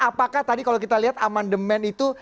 apakah tadi kalau kita lihat amandemen itu